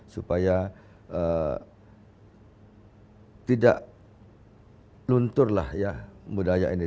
supaya tidak lunturlah ya budaya ini